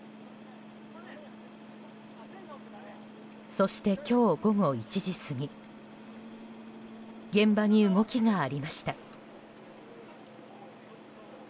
そして今日午後１時過ぎ現場に動きがありました。